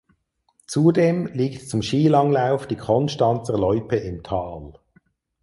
Zudem liegt zum Skilanglauf die "Konstanzer Loipe" im Tal.